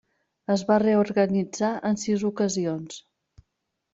Es va reorganitzar en sis ocasions.